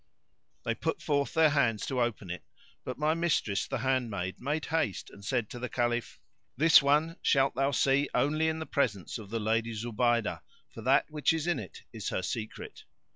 They put forth their hands to open it, but my mistress the handmaid made haste and said to the Caliph, "This one thou shalt see only in the presence of the Lady Zubaydah, for that which is in it is her secret."